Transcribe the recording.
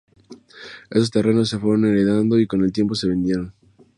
Estos terrenos se fueron heredando y con el tiempo se vendieron.